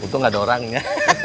untung gak ada orangnya